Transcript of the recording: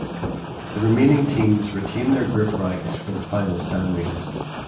The remaining teams retain their group ranks for the final standings.